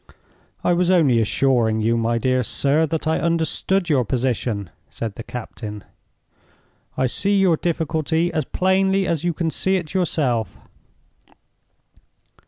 "I was only assuring you, my dear sir, that I understood your position," said the captain. "I see your difficulty as plainly as you can see it yourself.